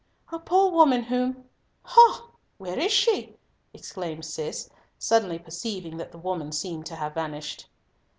"A poor woman, whom—Ha, where is she?" exclaimed Cis, suddenly perceiving that the woman seemed to have vanished.